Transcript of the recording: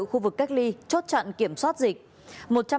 khu vực cách ly chốt chặn kiểm soát dịch